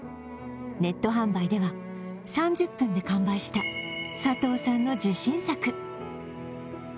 ネット販売では３０分で完売した佐藤さんの自信作。